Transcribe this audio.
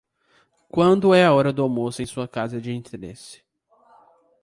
Quando é a hora do almoço em sua casa de interesse?